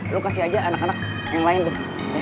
lo kasih aja anak anak yang lain deh